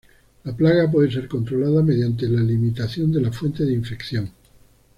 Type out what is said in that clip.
La plaga puede ser controlada mediante la limitación de la fuente de infección.